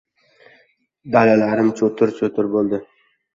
Dalalarim cho‘tir-cho‘tir bo‘ldi.